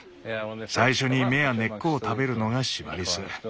最初に芽や根っこを食べるのがシマリス。